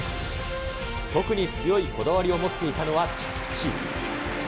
特に強いこだわりを持っていたのは着地。